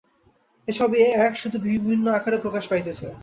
এ-সবই এক, শুধু বিভিন্ন আকারে প্রকাশ পাইতেছে।